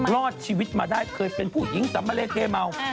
รอดชีวิตมาได้เคยเป็นผู้หญิงสัมมะเลเทเมา